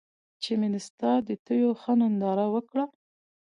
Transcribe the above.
چې مې ستا د تېو ښه ننداره وکــړه